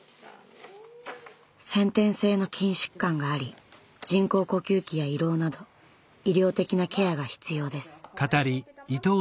先天性の筋疾患があり人工呼吸器や胃ろうなど医療的なケアが必要です。